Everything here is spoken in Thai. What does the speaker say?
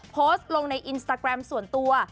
โพสต์ลงในอินสตาแกรมส่วนตัว